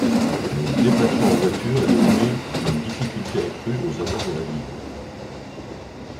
Le déplacement en voiture est devenu d'une difficulté accrue aux abords de la ville.